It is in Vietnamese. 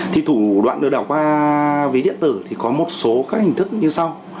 thủ đoạn lừa đảo qua ví điện tử có một số các hình thức như sau